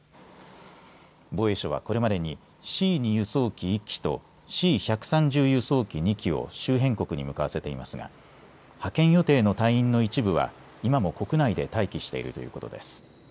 防衛省は、これまでにＣ２輸送機１機とＣ１３０輸送機２機を周辺国に向かせていますが派遣予定の隊員の一部は今も国内で待機しているということです。